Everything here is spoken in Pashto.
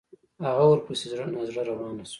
هغه ورپسې زړه نا زړه روانه شوه.